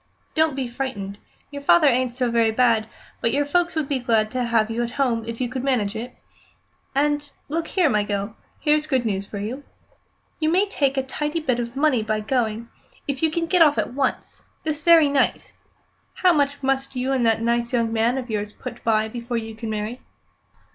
"Don't be frightened. Your father ain't so very bad, but your folks would be glad to have you at home if you could manage it. And, look here, my gell, here's good news for you. You may make a tidy bit of money by going, if you can get off at once this very night. How much must you and that nice young man of yours put by before you can marry?"